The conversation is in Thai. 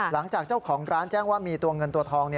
หลังจากเจ้าของร้านแจ้งว่ามีตัวเงินตัวทอง